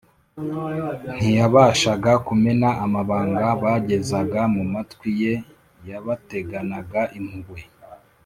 Ntiyabashaga kumena amabanga bagezaga mu matwi Ye yabateganaga impuhwe.